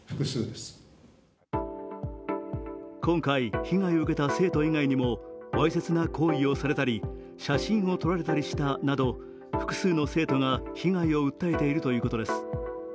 今回被害を受けた生徒以外にもわいせつな行為をされたり写真を撮られたりしたなど複数の生徒が被害を訴えているということです。